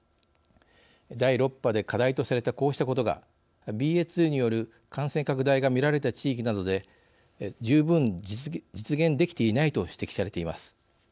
第６波で課題とされたこうしたことがＢＡ．２による感染拡大が見られた地域などで「十分実現できていない」と指摘されています。